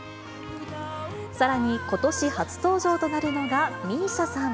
さらに、ことし初登場となるのがＭＩＳＩＡさん。